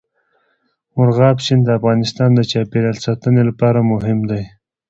مورغاب سیند د افغانستان د چاپیریال ساتنې لپاره مهم دی.